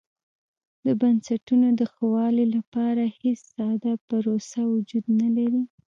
د بنسټونو د ښه والي لپاره هېڅ ساده پروسه وجود نه لري.